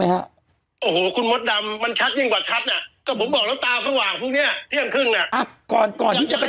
เพื่อนผมก็เป็นหมอนิติเวทย์อะผลหัวตี๒คนคนหัวตีนายแพทย์